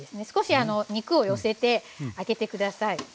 少し肉を寄せてあけて下さい。